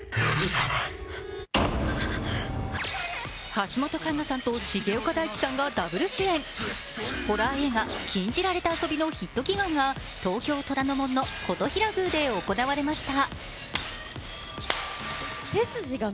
橋本環奈さんと重岡大毅さんがダブル主演、ホラー映画「禁じられた遊び」のヒット祈願が東京・虎ノ門の金刀比羅宮で行われました。